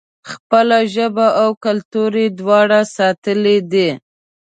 خپله ژبه او کلتور یې دواړه ساتلي دي.